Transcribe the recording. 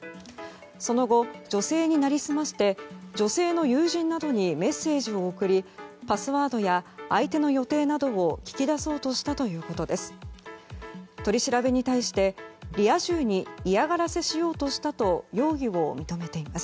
その後、女性に成り済まして女性の友人などにメッセージを送りパスワードや相手の予定などを聞き出そうとしたということです。